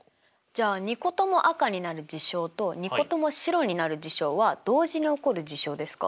じゃあ２個とも赤になる事象と２個とも白になる事象は同時に起こる事象ですか？